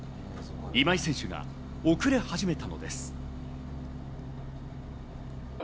今井選手が遅れ始めたのです。